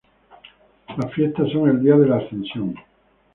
Las fiestas son el día de la Ascensión.